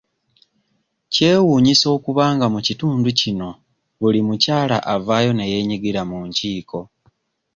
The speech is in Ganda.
Kyewuunyisa okuba nga mu kitundu kino buli mukyala avaayo ne yeenyigira mu nkiiko.